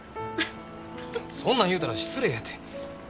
そんなん言うたら失礼やて。